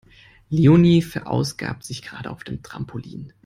Leonie verausgabt sich gerade auf dem Trampolin.